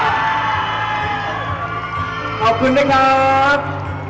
ขอบคุณนะครับ